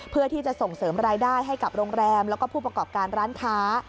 เพื่อที่จะส่งเสริมรายได้ให้กับโรงแรมแล้วก็ผู้ประกอบการร้านค้า